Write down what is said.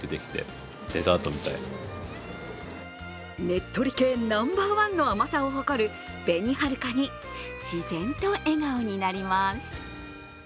ねっとり系ナンバーワンの甘さを誇る、べにはるかに自然と笑顔になります。